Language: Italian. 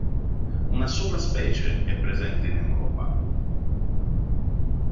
Una sola specie è presente in Europa.